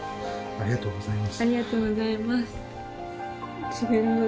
ありがとうございます。